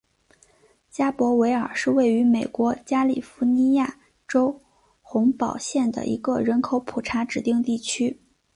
加伯维尔是位于美国加利福尼亚州洪堡县的一个人口普查指定地区。